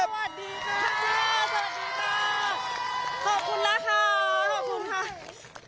ขอบคุณล่ะค่ะ